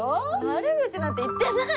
悪口なんて言ってないよ。